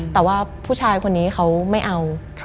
แต่ว่าผู้ชายคนนี้เขาไม่เอา